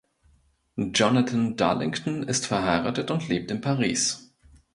Jonathan Darlington ist verheiratet und lebt in Paris.